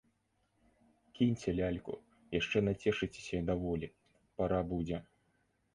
Кіньце ляльку, яшчэ нацешыцеся даволі, пара будзе.